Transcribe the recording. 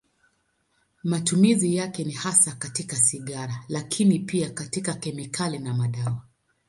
Matumizi yake ni hasa katika sigara, lakini pia katika kemikali na madawa.